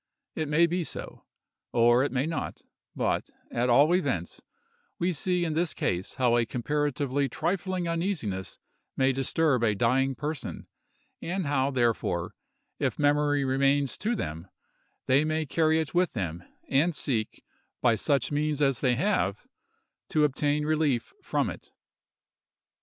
It may be so, or it may not; but, at all events, we see in this case how a comparatively trifling uneasiness may disturb a dying person, and how, therefore—if memory remains to them—they may carry it with them, and seek, by such means as they have, to obtain relief from it.